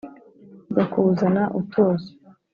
jya kuzana utuzi